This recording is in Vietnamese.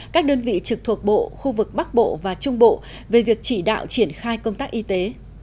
các đơn vị trực thuộc bộ khu vực bắc bộ và trung bộ về việc chỉ đạo triển khai công tác y tế